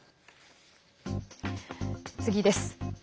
次です。